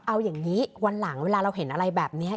เอาอย่างนี้วันหลังเวลาเราเห็นอะไรแบบนี้